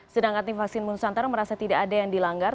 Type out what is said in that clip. sedangkan vaksin nusantara merasa tidak ada yang dilanggar